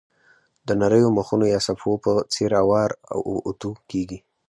د نریو مخونو یا صفحو په څېر اوار او اوتو کېږي.